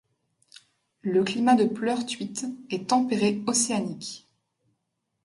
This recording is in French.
Le climat de Pleurtuit est tempéré océanique.